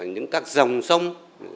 những các dòng sông